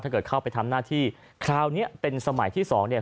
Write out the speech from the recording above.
เกิดเข้าไปทำหน้าที่คราวนี้เป็นสมัยที่สองเนี่ย